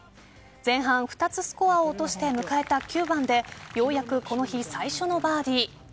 前半２つスコアを落として迎えた９番でようやくこの日最初のバーディー。